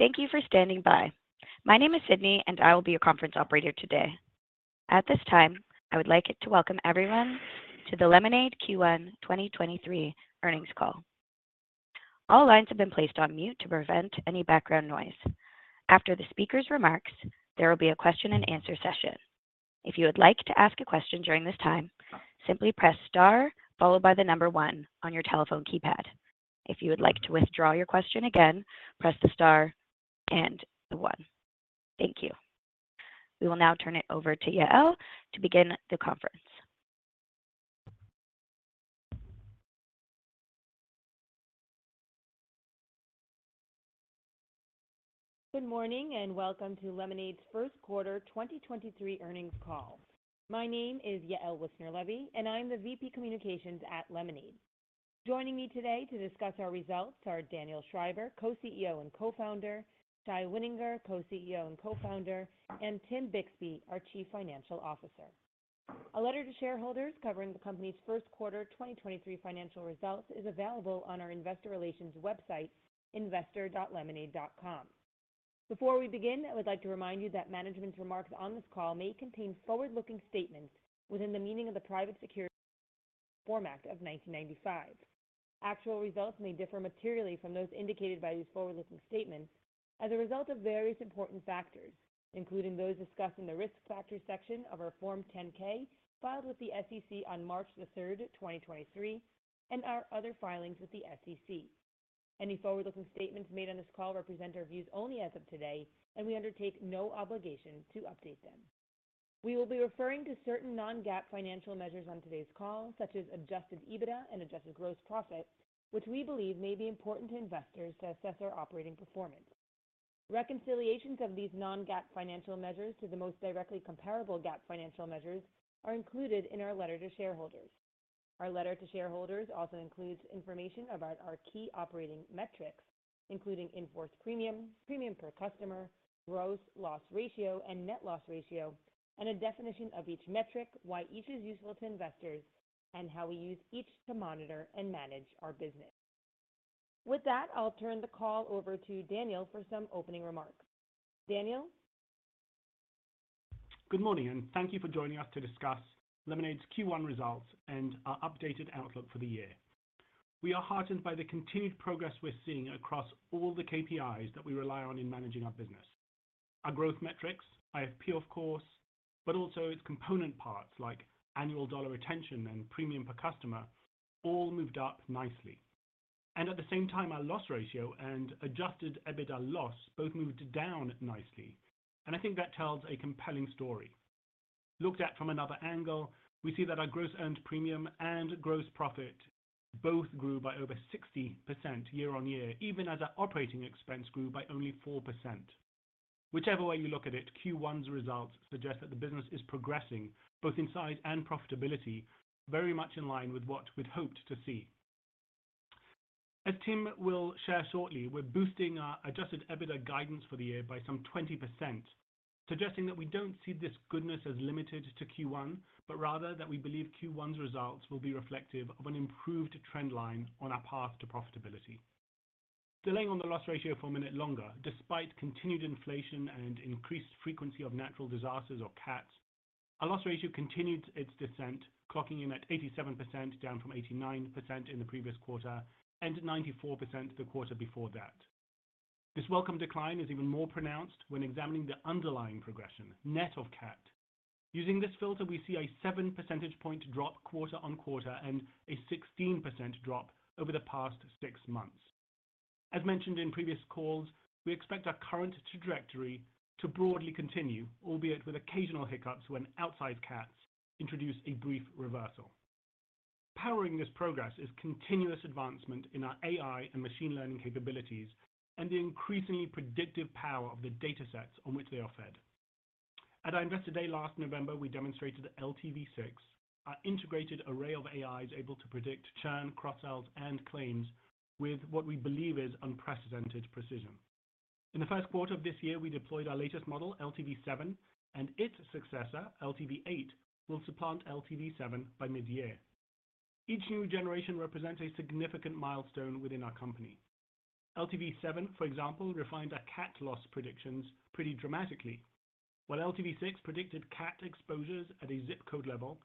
Thank you for standing by. My name is Sydney, and I will be your conference operator today. At this time, I would like to welcome everyone to the Lemonade Q1 2023 earnings call. All lines have been placed on mute to prevent any background noise. After the speaker's remarks, there will be a question and answer session. If you would like to ask a question during this time, simply press star followed by the number one on your telephone keypad. If you would like to withdraw your question again, press the star and the one. Thank you. We will now turn it over to Yael to begin the conference. Good morning and welcome to Lemonade's first quarter 2023 earnings call. My name is Yael Wissner-Levy, and I'm the VP Communications at Lemonade. Joining me today to discuss our results are Daniel Schreiber, Co-CEO and Co-founder, Shai Wininger, Co-CEO and Co-founder, and Tim Bixby, our Chief Financial Officer. A letter to shareholders covering the company's first quarter 2023 financial results is available on our investor relations website, investor.lemonade.com. Before we begin, I would like to remind you that management's remarks on this call may contain forward-looking statements within the meaning of the Private Securities Litigation Reform Act of 1995. Actual results may differ materially from those indicated by these forward-looking statements as a result of various important factors, including those discussed in the Risk Factors section of our Form 10-K filed with the SEC on March 3, 2023, and our other filings with the SEC. Any forward-looking statements made on this call represent our views only as of today, and we undertake no obligation to update them. We will be referring to certain non-GAAP financial measures on today's call, such as Adjusted EBITDA and Adjusted Gross Profit, which we believe may be important to investors to assess our operating performance. Reconciliations of these non-GAAP financial measures to the most directly comparable GAAP financial measures are included in our letter to shareholders. Our letter to shareholders also includes information about our key operating metrics, including in-force premium per customer, gross loss ratio, and net loss ratio, and a definition of each metric, why each is useful to investors, and how we use each to monitor and manage our business. With that, I'll turn the call over to Daniel for some opening remarks. Daniel. Good morning and thank you for joining us to discuss Lemonade's Q1 results and our updated outlook for the year. We are heartened by the continued progress we're seeing across all the KPIs that we rely on in managing our business. Our growth metrics, IFP of course, but also its component parts like Annual Dollar Retention and premium per customer all moved up nicely. At the same time, our loss ratio and Adjusted EBITDA loss both moved down nicely, and I think that tells a compelling story. Looked at from another angle, we see that our Gross Earned Premium and Gross Profit both grew by over 60% year-over-year, even as our operating expense grew by only 4%. Whichever way you look at it, Q1's results suggest that the business is progressing both in size and profitability very much in line with what we'd hoped to see. As Tim will share shortly, we're boosting our Adjusted EBITDA guidance for the year by some 20%, suggesting that we don't see this goodness as limited to Q1, but rather that we believe Q1's results will be reflective of an improved trend line on our path to profitability. Delaying on the loss ratio for a minute longer, despite continued inflation and increased frequency of natural disasters or CATs, our loss ratio continued its descent, clocking in at 87%, down from 89% in the previous quarter and 94% the quarter before that. This welcome decline is even more pronounced when examining the underlying progression net of CAT. Using this filter, we see a seven percentage point drop quarter on quarter and a 16% drop over the past 6 months. As mentioned in previous calls, we expect our current trajectory to broadly continue, albeit with occasional hiccups when outsized CATs introduce a brief reversal. Powering this progress is continuous advancement in our AI and machine learning capabilities and the increasingly predictive power of the datasets on which they are fed. At our Investor Day last November, we demonstrated LTV6, our integrated array of AIs able to predict churn, cross-sells, and claims with what we believe is unprecedented precision. In the first quarter of this year, we deployed our latest model, LTV7, and its successor, LTV8, will supplant LTV7 by mid-year. Each new generation represents a significant milestone within our company. LTV7, for example, refined our CAT loss predictions pretty dramatically. While LTV6 predicted CAT exposures at a zip code level,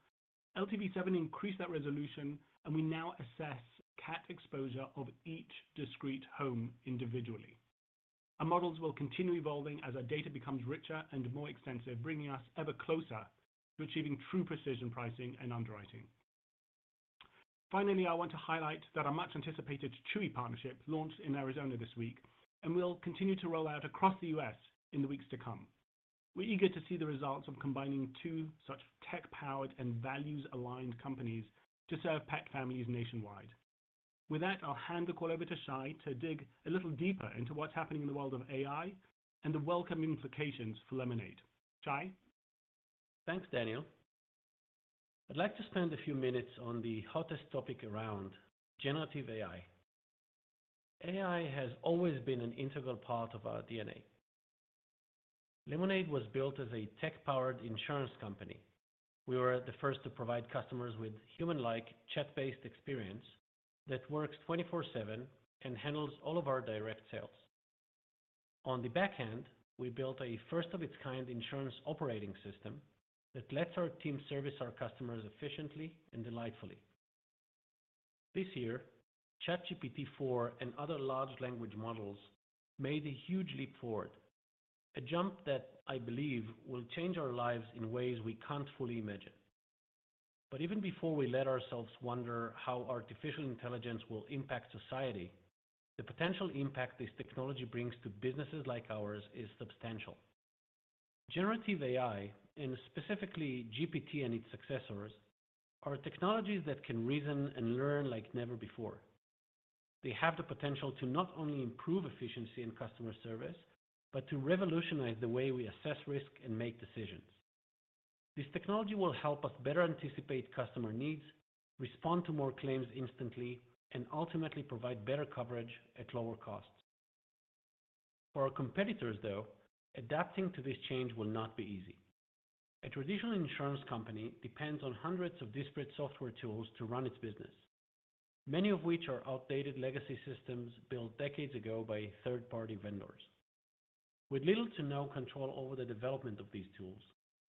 LTV7 increased that resolution, and we now assess CAT exposure of each discrete home individually. Our models will continue evolving as our data becomes richer and more extensive, bringing us ever closer to achieving true precision pricing and underwriting. Finally, I want to highlight that our much-anticipated Chewy partnership launched in Arizona this week and will continue to roll out across the U.S. in the weeks to come. We're eager to see the results of combining two such tech-powered and values-aligned companies to serve pet families nationwide. With that, I'll hand the call over to Shai to dig a little deeper into what's happening in the world of AI and the welcome implications for Lemonade. Shai? Thanks, Daniel. I'd like to spend a few minutes on the hottest topic around, generative AI. AI has always been an integral part of our DNA. Lemonade was built as a tech-powered insurance company. We were the first to provide customers with human-like chat-based experience that works 24/7 and handles all of our direct sales. On the back end, we built a first of its kind insurance operating system that lets our team service our customers efficiently and delightfully. This year, ChatGPT-4 and other large language models made a huge leap forward, a jump that I believe will change our lives in ways we can't fully imagine. Even before we let ourselves wonder how artificial intelligence will impact society, the potential impact this technology brings to businesses like ours is substantial. Generative AI, and specifically GPT and its successors, are technologies that can reason and learn like never before. They have the potential to not only improve efficiency in customer service, but to revolutionize the way we assess risk and make decisions. This technology will help us better anticipate customer needs, respond to more claims instantly, and ultimately provide better coverage at lower costs. For our competitors, though, adapting to this change will not be easy. A traditional insurance company depends on hundreds of disparate software tools to run its business, many of which are outdated legacy systems built decades ago by third-party vendors. With little to no control over the development of these tools,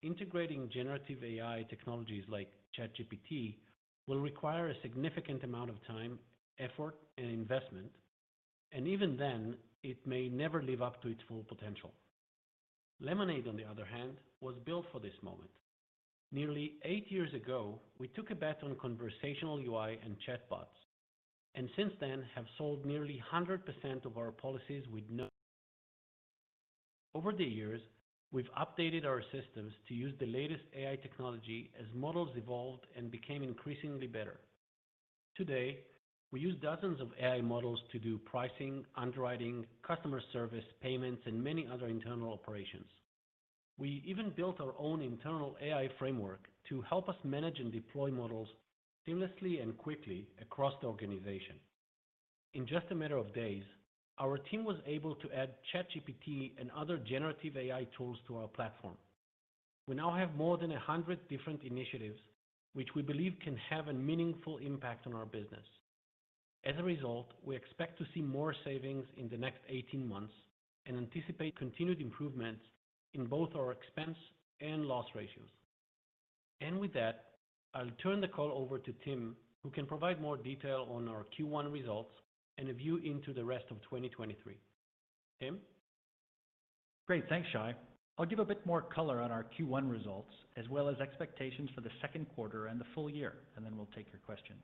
integrating generative AI technologies like ChatGPT will require a significant amount of time, effort, and investment, and even then, it may never live up to its full potential. Lemonade, on the other hand, was built for this moment. Nearly eight years ago, we took a bet on conversational UI and chatbots, and since then have sold nearly 100% of our policies. Over the years, we've updated our systems to use the latest AI technology as models evolved and became increasingly better. Today, we use dozens of AI models to do pricing, underwriting, customer service, payments, and many other internal operations. We even built our own internal AI framework to help us manage and deploy models seamlessly and quickly across the organization. In just a matter of days, our team was able to add ChatGPT and other generative AI tools to our platform. We now have more than 100 different initiatives which we believe can have a meaningful impact on our business. As a result, we expect to see more savings in the next 18 months and anticipate continued improvements in both our expense and loss ratios. With that, I'll turn the call over to Tim, who can provide more detail on our Q1 results and a view into the rest of 2023. Tim. Great. Thanks, Shai. I'll give a bit more color on our Q1 results as well as expectations for the second quarter and the full year, then we'll take your questions.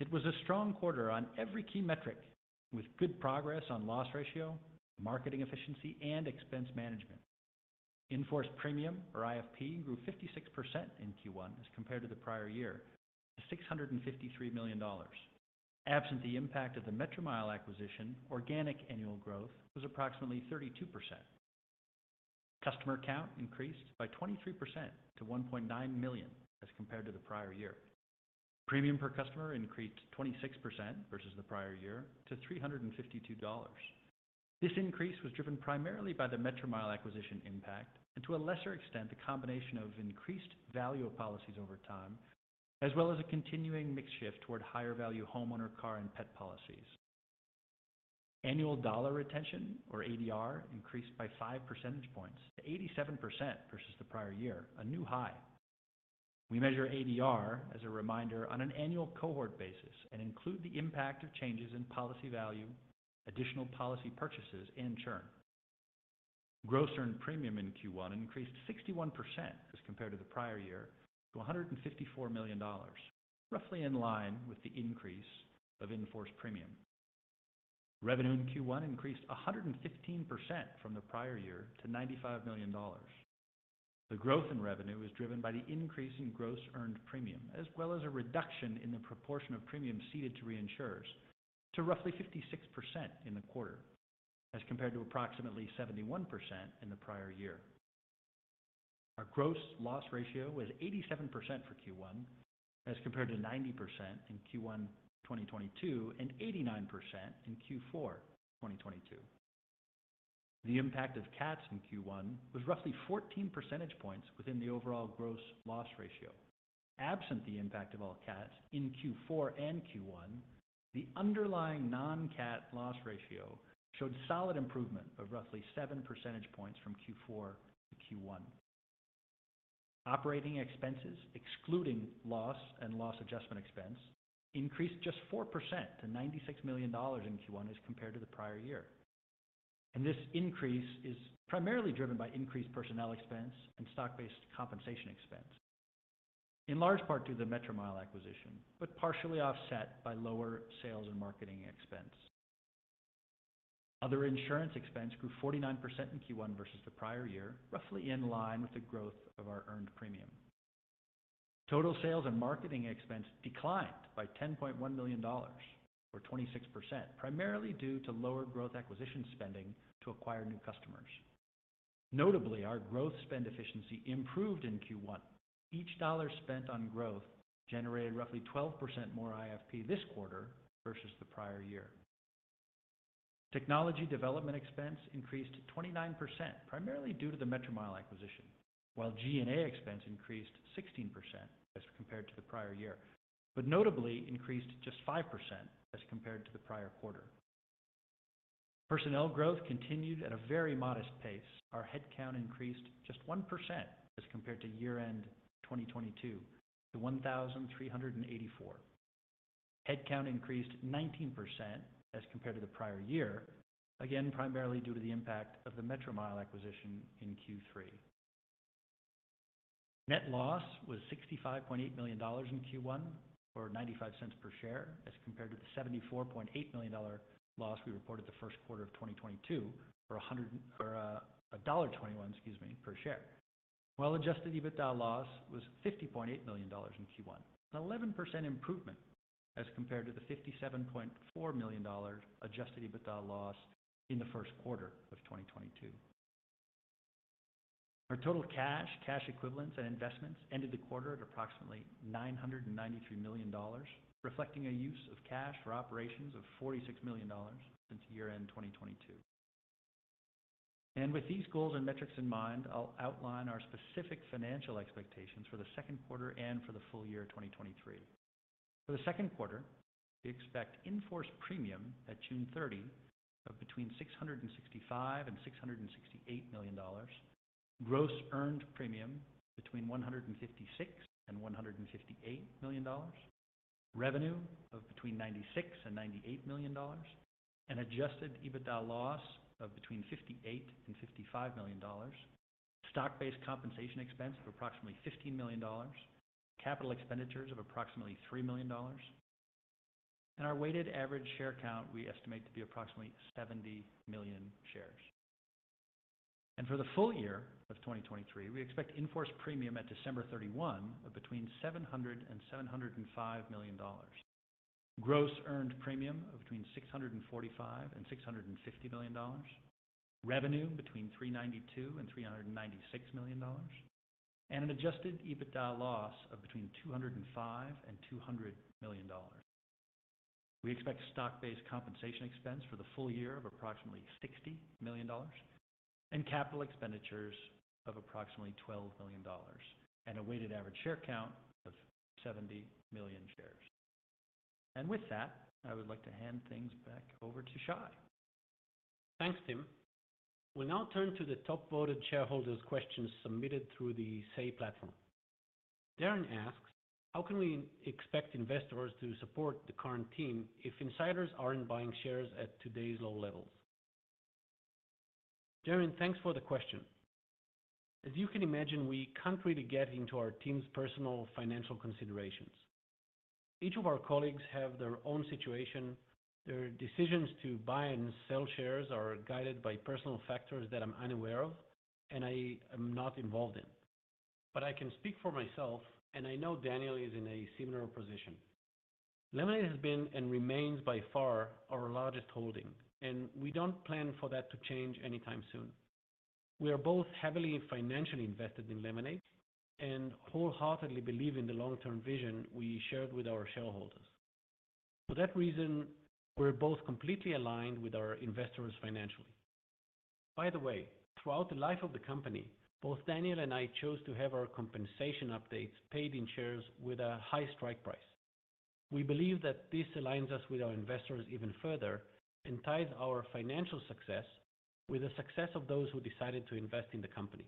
It was a strong quarter on every key metric with good progress on loss ratio, marketing efficiency, and expense management. In-force premium or IFP grew 56% in Q1 as compared to the prior year to $653 million. Absent the impact of the Metromile acquisition, organic annual growth was approximately 32%. Customer count increased by 23% to 1.9 million as compared to the prior year. Premium per customer increased 26% versus the prior year to $352. This increase was driven primarily by the Metromile acquisition impact and to a lesser extent, the combination of increased value of policies over time, as well as a continuing mix shift toward higher value homeowner, car, and pet policies. Annual Dollar Retention, or ADR, increased by 5 percentage points to 87% versus the prior year, a new high. We measure ADR as a reminder on an annual cohort basis and include the impact of changes in policy value, additional policy purchases and churn. Gross Earned Premium in Q1 increased 61% as compared to the prior year to $154 million, roughly in line with the increase of in-force premium. Revenue in Q1 increased 115% from the prior year to $95 million. The growth in revenue was driven by the increase in gross earned premium, as well as a reduction in the proportion of premium ceded to reinsurers to roughly 56% in the quarter as compared to approximately 71% in the prior year. Our gross loss ratio was 87% for Q1 as compared to 90% in Q1 2022 and 89% in Q4 2022. The impact of CATs in Q1 was roughly 14 percentage points within the overall gross loss ratio. Absent the impact of all CATs in Q4 and Q1, the underlying non-CAT loss ratio showed solid improvement of roughly seven percentage points from Q4 to Q1. Operating expenses, excluding loss and loss adjustment expense, increased just 4% to $96 million in Q1 as compared to the prior year. This increase is primarily driven by increased personnel expense and stock-based compensation expense, in large part due to the Metromile acquisition, but partially offset by lower sales and marketing expense. Other insurance expense grew 49% in Q1 versus the prior year, roughly in line with the growth of our earned premium. Total sales and marketing expense declined by $10.1 million or 26%, primarily due to lower growth acquisition spending to acquire new customers. Notably, our growth spend efficiency improved in Q1. Each dollar spent on growth generated roughly 12% more IFP this quarter versus the prior year. Technology development expense increased 29%, primarily due to the Metromile acquisition, while G&A expense increased 16% as compared to the prior year, but notably increased just 5% as compared to the prior quarter. Personnel growth continued at a very modest pace. Our headcount increased just 1% as compared to year-end 2022 to 1,384. Headcount increased 19% as compared to the prior year, again, primarily due to the impact of the Metromile acquisition in Q3. Net loss was $65.8 million in Q1 or $0.95 per share, as compared to the $74.8 million loss we reported the first quarter of 2022 for $1.21, excuse me, per share. While Adjusted EBITDA loss was $50.8 million in Q1, an 11% improvement as compared to the $57.4 million Adjusted EBITDA loss in the first quarter of 2022. Our total cash equivalents and investments ended the quarter at approximately $993 million, reflecting a use of cash for operations of $46 million since year-end 2022. With these goals and metrics in mind, I'll outline our specific financial expectations for the second quarter and for the full year of 2023. For the second quarter, we expect in-force premium at June 30 of between $665 million-$668 million. Gross earned premium between $156 million-$158 million. Revenue of between $96 million-$98 million. An Adjusted EBITDA loss of between $58 million-$55 million. Stock-based compensation expense of approximately $15 million. Capital expenditures of approximately $3 million. Our weighted average share count we estimate to be approximately 70 million shares. For the full year of 2023, we expect in-force premium at December 31 of between $700 million and $705 million. Gross earned premium of between $645 million and $650 million. Revenue between $392 million and $396 million. An Adjusted EBITDA loss of between $205 million and $200 million. We expect stock-based compensation expense for the full year of approximately $60 million and capital expenditures of approximately $12 million, and a weighted average share count of 70 million shares. With that, I would like to hand things back over to Shai. Thanks, Tim. We'll now turn to the top-voted shareholders questions submitted through the SAY platform. Darren asks, "How can we expect investors to support the current team if insiders aren't buying shares at today's low levels?" Darren, thanks for the question. As you can imagine, we can't really get into our team's personal financial considerations. Each of our colleagues have their own situation. Their decisions to buy and sell shares are guided by personal factors that I'm unaware of and I am not involved in. I can speak for myself, and I know Daniel is in a similar position. Lemonade has been and remains by far our largest holding, and we don't plan for that to change anytime soon. We are both heavily financially invested in Lemonade and wholeheartedly believe in the long-term vision we shared with our shareholders. For that reason, we're both completely aligned with our investors financially. By the way, throughout the life of the company, both Daniel and I chose to have our compensation updates paid in shares with a high strike price. We believe that this aligns us with our investors even further and ties our financial success with the success of those who decided to invest in the company.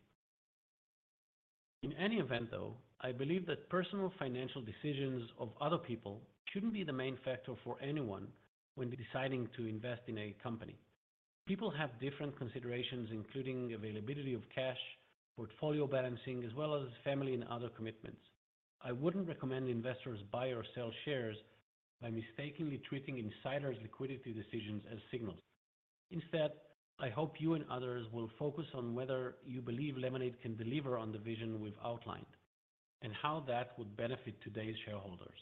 In any event, though, I believe that personal financial decisions of other people shouldn't be the main factor for anyone when deciding to invest in a company. People have different considerations, including availability of cash, portfolio balancing, as well as family and other commitments. I wouldn't recommend investors buy or sell shares by mistakenly treating insiders' liquidity decisions as signals. Instead, I hope you and others will focus on whether you believe Lemonade can deliver on the vision we've outlined and how that would benefit today's shareholders.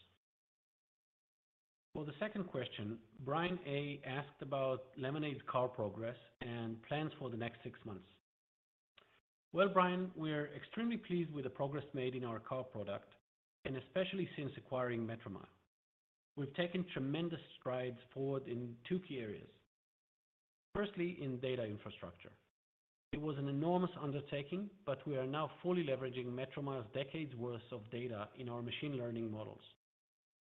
For the second question, Brian A asked about Lemonade's car progress and plans for the next six months. Well, Brian, we are extremely pleased with the progress made in our car product and especially since acquiring Metromile. We've taken tremendous strides forward in two key areas. Firstly, in data infrastructure. It was an enormous undertaking, but we are now fully leveraging Metromile's decades' worth of data in our machine learning models.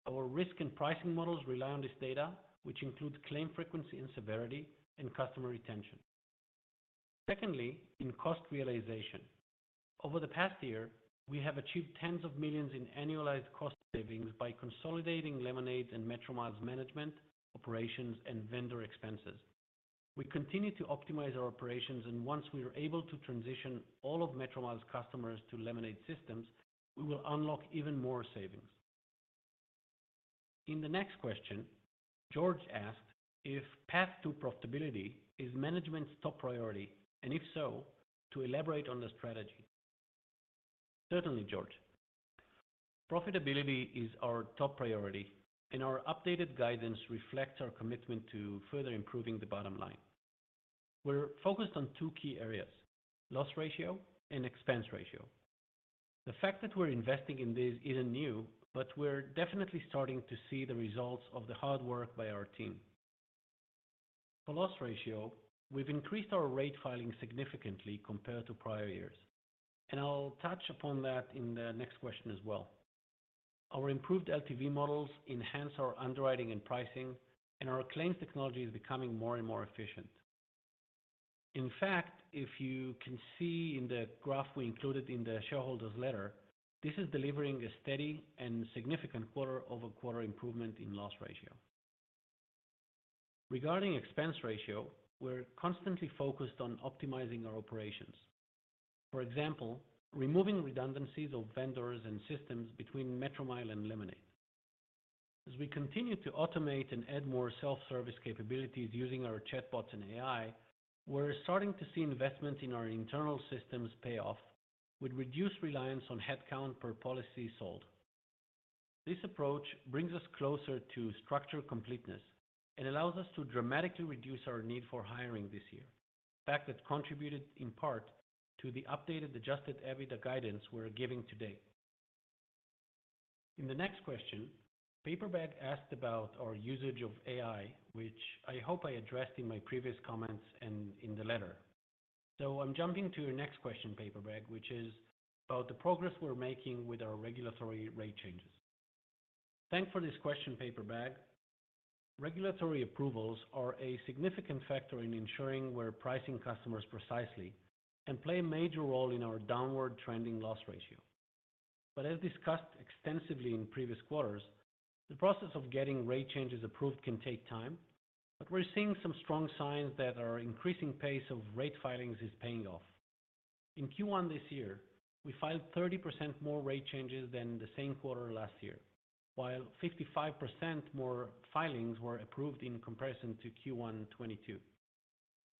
Our risk and pricing models rely on this data, which includes claim frequency and severity and customer retention. Secondly, in cost realization. Over the past year, we have achieved tens of millions in annualized cost savings by consolidating Lemonade and Metromile's management, operations, and vendor expenses. We continue to optimize our operations. Once we are able to transition all of Metromile's customers to Lemonade systems, we will unlock even more savings. In the next question, George asked if path to profitability is management's top priority, and if so, to elaborate on the strategy. Certainly, George. Profitability is our top priority. Our updated guidance reflects our commitment to further improving the bottom line. We're focused on two key areas: loss ratio and expense ratio. The fact that we're investing in this isn't new. We're definitely starting to see the results of the hard work by our team. For loss ratio, we've increased our rate filing significantly compared to prior years. I'll touch upon that in the next question as well. Our improved LTV models enhance our underwriting and pricing. Our claims technology is becoming more and more efficient. In fact, if you can see in the graph we included in the shareholder's letter, this is delivering a steady and significant quarter-over-quarter improvement in loss ratio. Regarding expense ratio, we're constantly focused on optimizing our operations. For example, removing redundancies of vendors and systems between Metromile and Lemonade. As we continue to automate and add more self-service capabilities using our chatbots and AI, we're starting to see investments in our internal systems pay off with reduced reliance on headcount per policy sold. This approach brings us closer to structural completeness and allows us to dramatically reduce our need for hiring this year. In fact, that contributed in part to the updated Adjusted EBITDA guidance we're giving today. In the next question, Paperbag asked about our usage of AI, which I hope I addressed in my previous comments and in the letter. I'm jumping to your next question, Paperbag, which is about the progress we're making with our regulatory rate changes. Thanks for this question, Paperbag. Regulatory approvals are a significant factor in ensuring we're pricing customers precisely and play a major role in our downward trending loss ratio. As discussed extensively in previous quarters, the process of getting rate changes approved can take time. We're seeing some strong signs that our increasing pace of rate filings is paying off. In Q1 this year, we filed 30% more rate changes than the same quarter last year, while 55% more filings were approved in comparison to Q1 2022.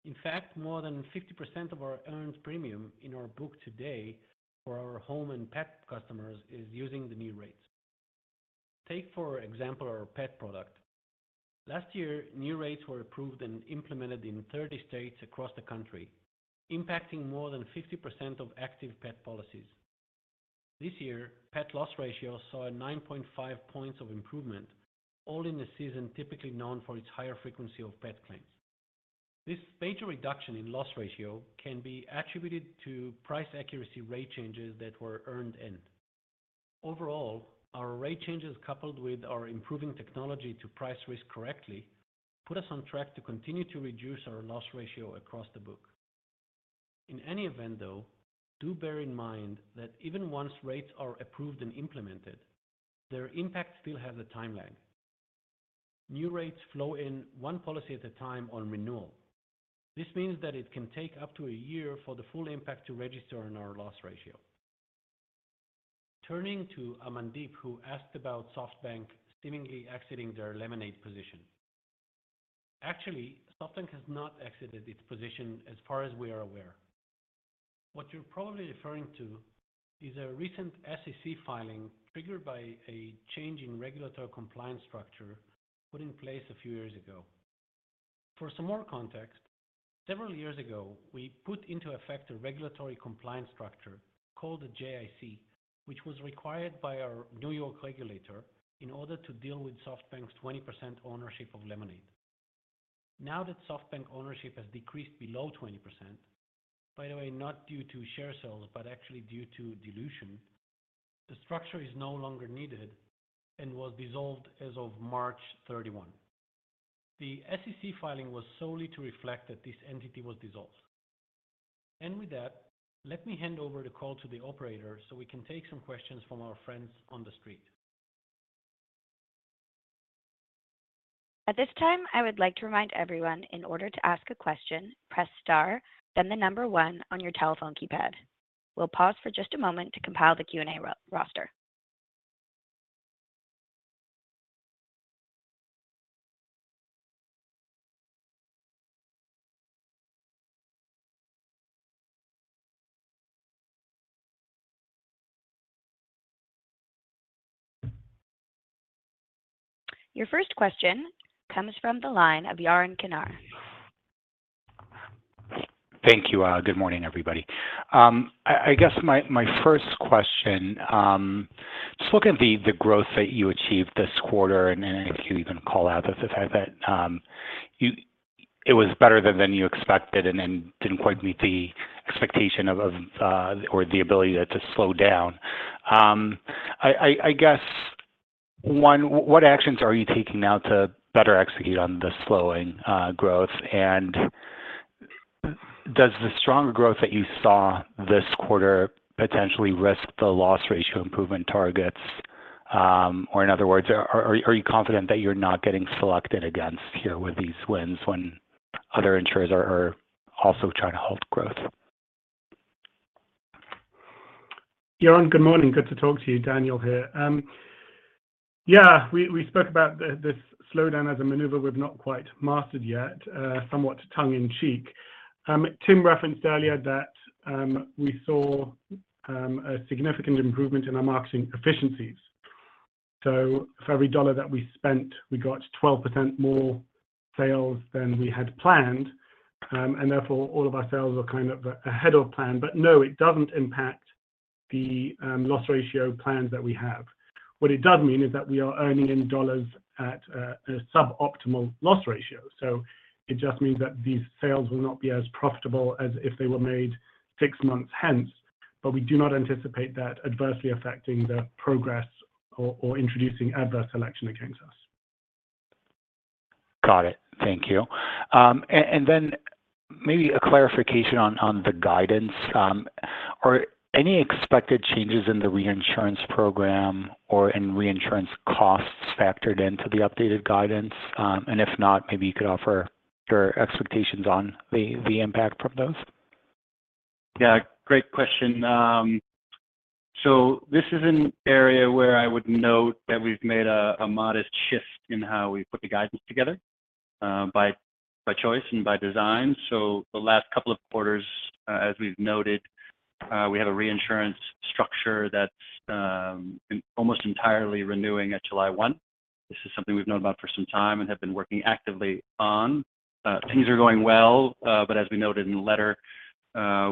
In fact, more than 50% of our earned premium in our book today for our home and pet customers is using the new rates. Take, for example, our pet product. Last year, new rates were approved and implemented in 30 states across the country, impacting more than 50% of active pet policies. This year, pet loss ratio saw a 9.5 points of improvement, all in a season typically known for its higher frequency of pet claims. This major reduction in loss ratio can be attributed to price accuracy rate changes that were earned in. Our rate changes, coupled with our improving technology to price risk correctly, put us on track to continue to reduce our loss ratio across the book. In any event, though, do bear in mind that even once rates are approved and implemented, their impact still has a timeline. New rates flow in one policy at a time on renewal. This means that it can take up to a year for the full impact to register in our loss ratio. Turning to Amandeep, who asked about SoftBank seemingly exiting their Lemonade position. Actually, SoftBank has not exited its position as far as we are aware. What you're probably referring to is a recent SEC filing triggered by a change in regulatory compliance structure put in place a few years ago. For some more context, several years ago, we put into effect a regulatory compliance structure called a JIC, which was required by our New York regulator in order to deal with SoftBank's 20% ownership of Lemonade. Now that SoftBank ownership has decreased below 20%, by the way, not due to share sales, but actually due to dilution, the structure is no longer needed and was dissolved as of March 31. The SEC filing was solely to reflect that this entity was dissolved. With that, let me hand over the call to the operator so we can take some questions from our friends on the street. At this time, I would like to remind everyone in order to ask a question, press star, then the number one on your telephone keypad. We'll pause for just a moment to compile the Q&A roster. Your first question comes from the line of Yaron Kinar. Thank you. Good morning, everybody. I guess my first question: just look at the growth that you achieved this quarter, then if you even call out the fact that it was better than you expected then didn't quite meet the expectation or the ability to slow down. What actions are you taking now to better execute on the slowing growth? Does the strong growth that you saw this quarter potentially risk the loss ratio improvement targets? In other words, are you confident that you're not getting selected against here with these wins when other insurers are also trying to halt growth? Yaron, good morning. Good to talk to you. Daniel here. Yeah, we spoke about this slowdown as a maneuver we've not quite mastered yet, somewhat tongue in cheek. Tim referenced earlier that we saw a significant improvement in our marketing efficiencies. For every $1 that we spent, we got 12% more sales than we had planned, and therefore all of our sales are kind of ahead of plan. No, it doesn't impact the loss ratio plans that we have. What it does mean is that we are earning in dollars at a suboptimal loss ratio. It just means that these sales will not be as profitable as if they were made six months hence. We do not anticipate that adversely affecting the progress or introducing adverse selection against us. Got it. Thank you. Then maybe a clarification on the guidance. Are any expected changes in the reinsurance program or in reinsurance costs factored into the updated guidance? If not, maybe you could offer your expectations on the impact from those. Yeah, great question. This is an area where I would note that we've made a modest shift in how we put the guidance together, by choice and by design. The last couple of quarters, as we've noted, we have a reinsurance structure that's almost entirely renewing at July 1. This is something we've known about for some time and have been working actively on. Things are going well, but as we noted in the letter,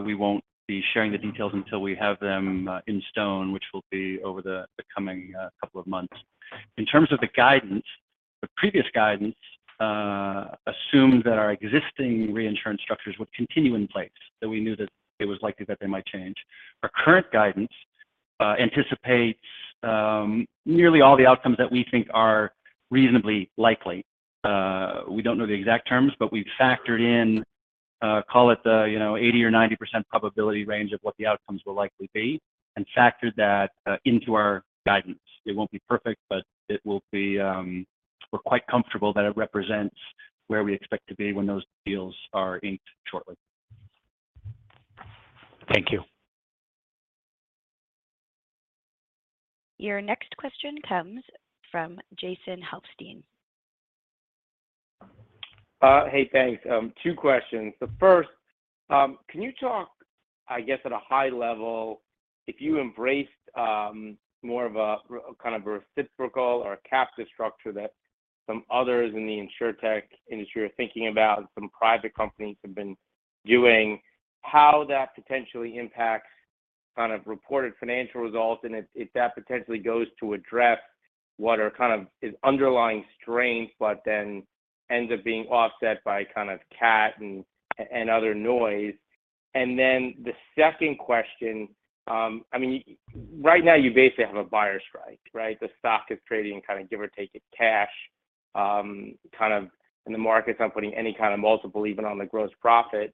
we won't be sharing the details until we have them in stone, which will be over the coming couple of months. In terms of the guidance, the previous guidance assumed that our existing reinsurance structures would continue in place, that we knew that it was likely that they might change. Our current guidance anticipates nearly all the outcomes that we think are reasonably likely. We don't know the exact terms, but we've factored in, call it the, you know, 80% or 90% probability range of what the outcomes will likely be and factored that into our guidance. It won't be perfect, but it will be, we're quite comfortable that it represents where we expect to be when those deals are inked shortly. Thank you. Your next question comes from Jason Helfstein. Hey, thanks. Two questions. The 1st, can you talk, I guess at a high level, if you embraced, more of a kind of a reciprocal or a captive structure that some others in the insurtech industry are thinking about and some private companies have been doing, how that potentially impacts kind of reported financial results and if that potentially goes to address what are kind of is underlying strength, but ends up being offset by kind of CAT and other noise? The 2nd question, I mean, right now you basically have a buyer strike, right? The stock is trading kind of give or take at cash, kind of in the markets, not putting any kind of multiple even on the gross profit.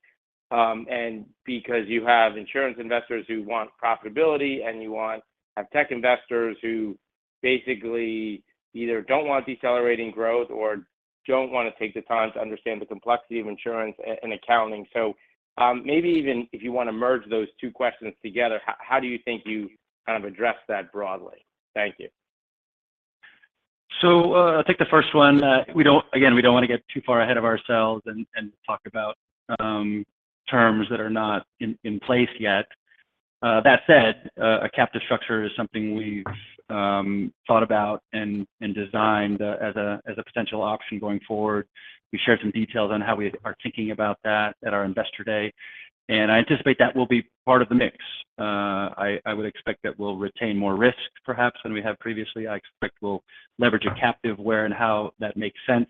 Because you have insurance investors who want profitability and have tech investors who basically either don't want decelerating growth or don't want to take the time to understand the complexity of insurance and accounting. Maybe even if you want to merge those two questions together, how do you think you kind of address that broadly? Thank you. I'll take the first one. Again, we don't want to get too far ahead of ourselves and talk about terms that are not in place yet. That said, a captive structure is something we've thought about and designed as a potential option going forward. We shared some details on how we are thinking about that at our investor day, and I anticipate that will be part of the mix. I would expect that we'll retain more risk perhaps than we have previously. I expect we'll leverage a captive where and how that makes sense.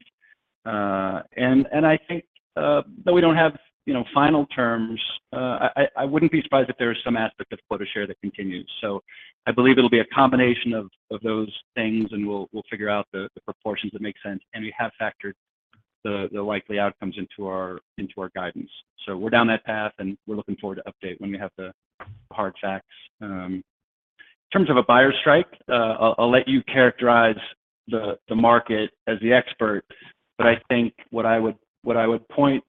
I think, though we don't have, you know, final terms, I wouldn't be surprised if there is some aspect of quota share that continues. I believe it'll be a combination of those things, and we'll figure out the proportions that make sense, and we have factored the likely outcomes into our guidance. We're down that path, and we're looking forward to update when we have the hard facts. In terms of a buyer strike, I'll let you characterize the market as the expert. I think what I would point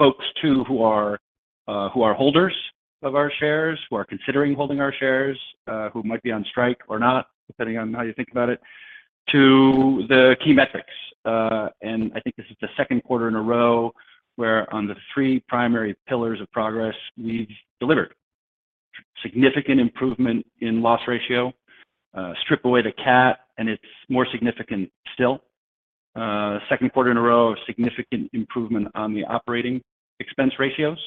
folks to who are holders of our shares, who are considering holding our shares, who might be on strike or not, depending on how you think about it, to the key metrics. I think this is the second quarter in a row where on the three primary pillars of progress we've delivered. Significant improvement in loss ratio. Strip away the CAT, and it's more significant still. Second quarter in a row of significant improvement on the operating expense ratios.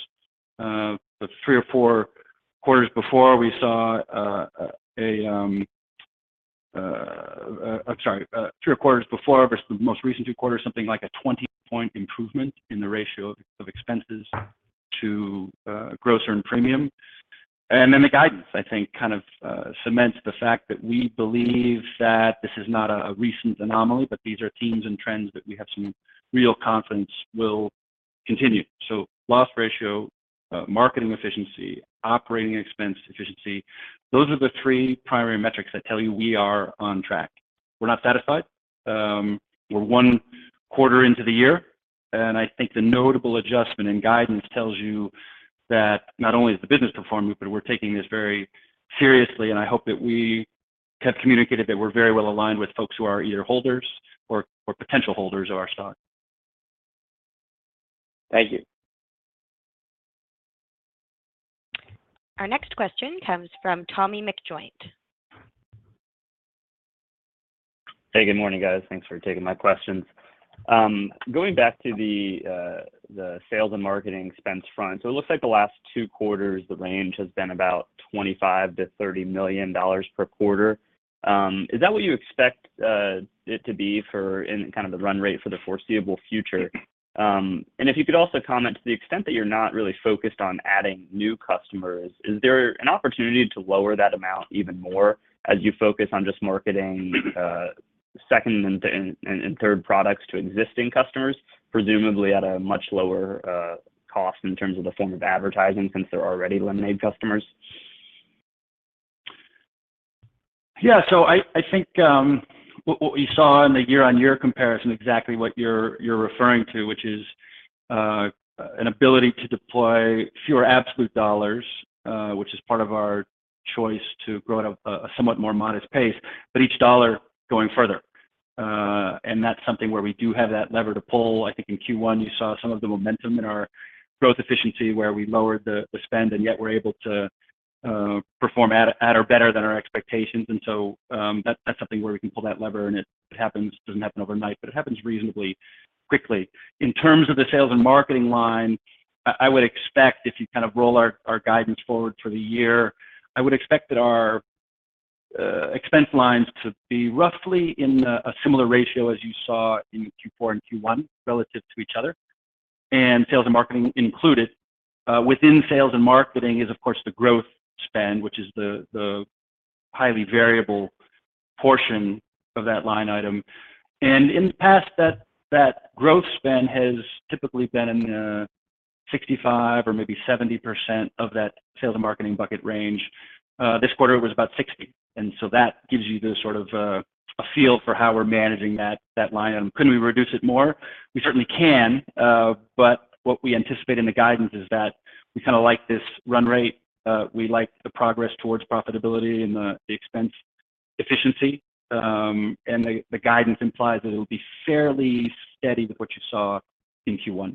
The three or four quarters before versus the most recent two quarters, something like a 20-point improvement in the ratio of expenses to Gross Earned Premium. The guidance, I think, kind of cements the fact that we believe that this is not a recent anomaly, but these are themes and trends that we have some real confidence will continue. Loss ratio, marketing efficiency, operating expense efficiency, those are the three primary metrics that tell you we are on track. We're not satisfied. We're one quarter into the year, and I think the notable adjustment in guidance tells you that not only is the business performing, but we're taking this very seriously. I hope that we have communicated that we're very well aligned with folks who are either holders or potential holders of our stock. Thank you. Our next question comes from Tommy McJoynt. Hey, good morning, guys. Thanks for taking my questions. Going back to the sales and marketing expense front. It looks like the last two quarters, the range has been about $25 million-$30 million per quarter. Is that what you expect it to be for... in kind of the run rate for the foreseeable future? If you could also comment to the extent that you're not really focused on adding new customers, is there an opportunity to lower that amount even more as you focus on just marketing, second and third products to existing customers, presumably at a much lower cost in terms of the form of advertising since they're already Lemonade customers? I think, what you saw in the year-on-year comparison exactly what you're referring to, which is an ability to deploy fewer absolute dollars, which is part of our choice to grow at a somewhat more modest pace, but each dollar going further. That's something where we do have that lever to pull. I think in Q1 you saw some of the momentum in our growth efficiency where we lowered the spend, and yet we're able to perform at or better than our expectations. That's something where we can pull that lever and it happens. It doesn't happen overnight, but it happens reasonably quickly. In terms of the sales and marketing line, I would expect if you kind of roll our guidance forward for the year, I would expect that our expense lines to be roughly in a similar ratio as you saw in Q4 and Q1 relative to each other, and sales and marketing included. Within sales and marketing is of course the growth spend, which is the highly variable portion of that line item. In the past, that growth spend has typically been in the 65% or maybe 70% of that sales and marketing bucket range. This quarter it was about 60, that gives you the sort of a feel for how we're managing that line item. Could we reduce it more? We certainly can. What we anticipate in the guidance is that we kind of like this run rate. We like the progress towards profitability and the expense efficiency. The guidance implies that it'll be fairly steady with what you saw in Q1.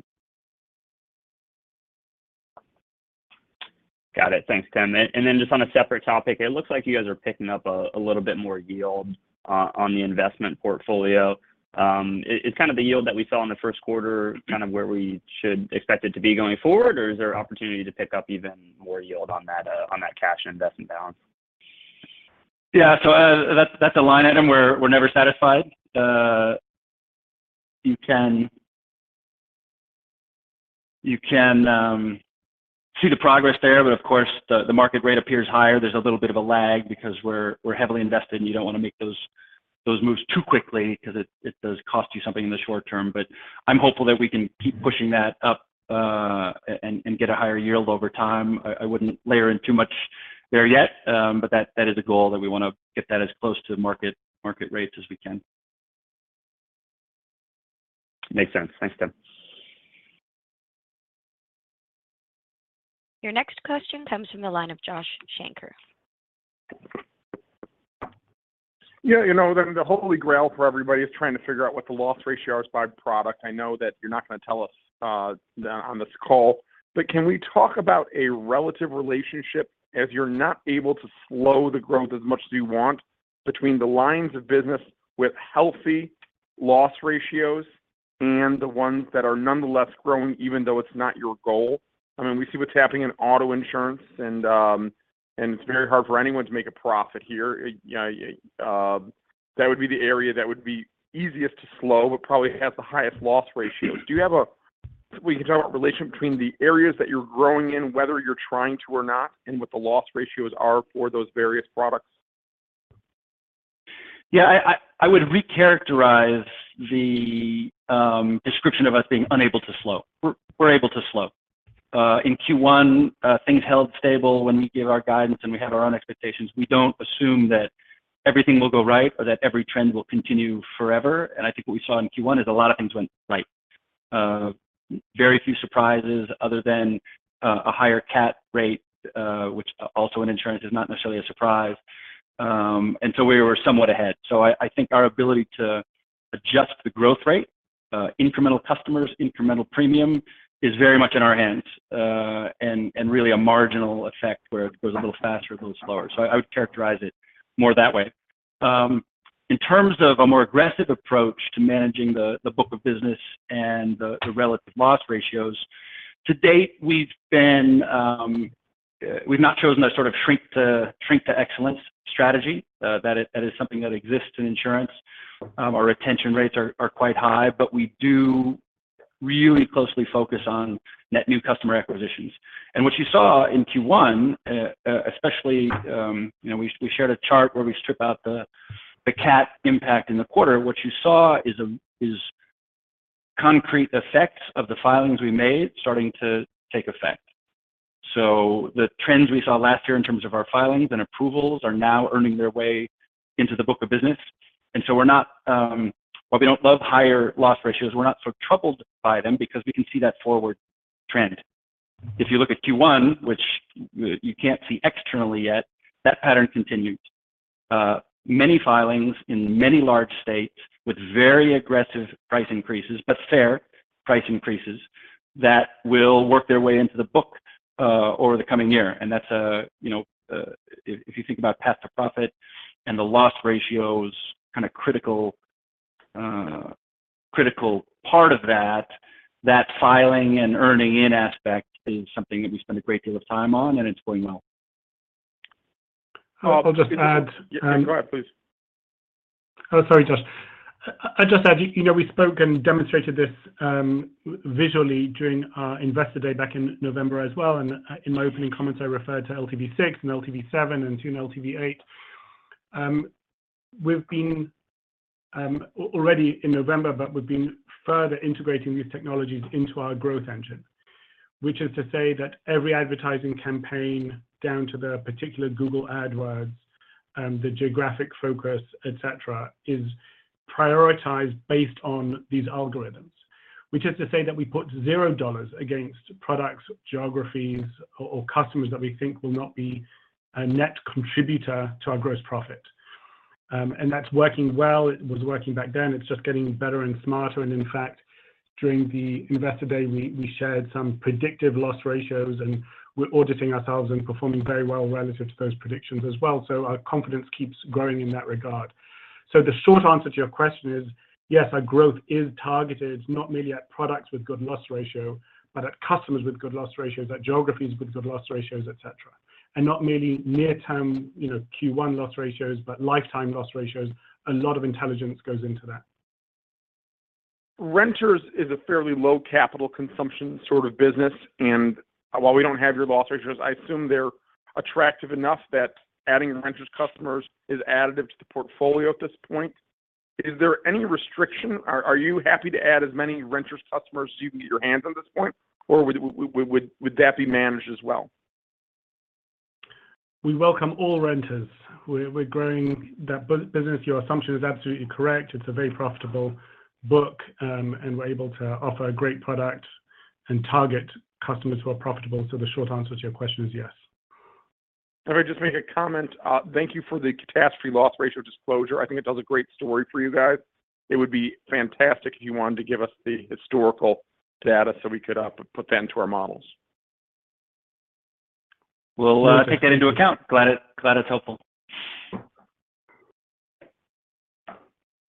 Got it. Thanks, Tim. Then just on a separate topic, it looks like you guys are picking up a little bit more yield on the investment portfolio. Is kind of the yield that we saw in the first quarter kind of where we should expect it to be going forward or is there opportunity to pick up even more yield on that cash investment balance? Yeah. That's a line item where we're never satisfied. You can see the progress there, but of course the market rate appears higher. There's a little bit of a lag because we're heavily invested and you don't wanna make those moves too quickly because it does cost you something in the short term. I'm hopeful that we can keep pushing that up, and get a higher yield over time. I wouldn't layer in too much there yet. That is a goal that we wanna get that as close to market rates as we can. Makes sense. Thanks, Tim. Your next question comes from the line of Josh Shanker. Yeah. You know, the holy grail for everybody is trying to figure out what the loss ratio is by product. I know that you're not gonna tell us on this call. Can we talk about a relative relationship as you're not able to slow the growth as much as you want between the lines of business with healthy loss ratios and the ones that are nonetheless growing even though it's not your goal? I mean, we see what's happening in auto insurance and it's very hard for anyone to make a profit here. You know, that would be the area that would be easiest to slow but probably has the highest loss ratio. Do you have a... We can talk about relationship between the areas that you're growing in, whether you're trying to or not, and what the loss ratios are for those various products? I would recharacterize the description of us being unable to slow. We're able to slow. In Q1, things held stable when we gave our guidance and we had our own expectations. We don't assume that everything will go right or that every trend will continue forever. I think what we saw in Q1 is a lot of things went right. Very few surprises other than a higher CAT rate, which also in insurance is not necessarily a surprise. We were somewhat ahead. I think our ability to adjust the growth rate, incremental customers, incremental premium is very much in our hands. And really a marginal effect where it goes a little faster or a little slower. I would characterize it more that way. In terms of a more aggressive approach to managing the book of business and the relative loss ratios, to date we've been, we've not chosen a sort of shrink to excellence strategy. That is something that exists in insurance. Our retention rates are quite high, but we do really closely focus on net new customer acquisitions. What you saw in Q1, especially, you know, we shared a chart where we strip out the CAT impact in the quarter. What you saw is concrete effects of the filings we made starting to take effect. The trends we saw last year in terms of our filings and approvals are now earning their way into the book of business. We're not, while we don't love higher loss ratios, we're not so troubled by them because we can see that forward trend. If you look at Q1, which you can't see externally yet, that pattern continued. Many filings in many large states with very aggressive price increases, but fair price increases that will work their way into the book over the coming year. That's, you know, if you think about path to profit and the loss ratios kind of critical part of that filing and earning in aspect is something that we spend a great deal of time on, and it's going well. I'll just add- Yes, go ahead, please. Sorry, Josh. I'd just add, you know, we spoke and demonstrated this visually during our Investor Day back in November as well. In my opening comments, I referred to LTV6 and LTV7 and soon LTV8. We've been already in November, but we've been further integrating these technologies into our growth engine, which is to say that every advertising campaign down to the particular Google AdWords, the geographic focus, etcetera, is prioritized based on these algorithms. Which is to say that we put $0 against products, geographies, or customers that we think will not be a net contributor to our gross profit. That's working well. It was working back then. It's just getting better and smarter. In fact, during the Investor Day, we shared some predictive loss ratios, and we're auditing ourselves and performing very well relative to those predictions as well. Our confidence keeps growing in that regard. The short answer to your question is, yes, our growth is targeted not merely at products with good loss ratio, but at customers with good loss ratios, at geographies with good loss ratios, etcetera. Not merely near term, you know, Q1 loss ratios, but lifetime loss ratios. A lot of intelligence goes into that. Renters is a fairly low capital consumption sort of business. And while we don't have your loss ratios, I assume they're attractive enough that adding renters customers is additive to the portfolio at this point. Is there any restriction? Are you happy to add as many renters customers as you can get your hands on this point? Or would that be managed as well? We welcome all renters. We're growing that business. Your assumption is absolutely correct. It's a very profitable book, and we're able to offer a great product and target customers who are profitable. The short answer to your question is yes. Can I just make a comment? Thank you for the catastrophe loss ratio disclosure. I think it tells a great story for you guys. It would be fantastic if you wanted to give us the historical data so we could put that into our models. We'll take that into account. Glad it's helpful.